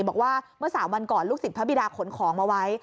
บอกว่าเมื่อ๓วันก่อนลูกศิษย์พระบิดาขนของมาไว้